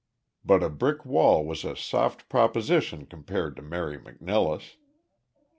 But a brick wall was a soft proposition compared to Mary McNilless.